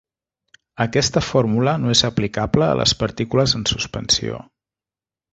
Aquesta fórmula no és aplicable a les partícules en suspensió.